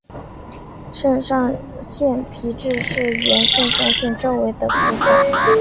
肾上腺皮质是沿肾上腺周围的部分。